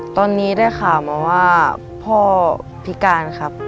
ตอนนี้ได้ข่าวมาว่าพ่อพิการครับ